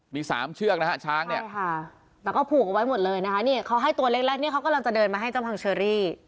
มีสามเชือกนะฮะช้างเนี่ยแต่ก็ผูกเอาไว้หมดเลยนะคะนี่เขาให้ตัวเล็กแล้วเนี่ยเขากำลังจะเดินมาให้เจ้าพังเชอรี่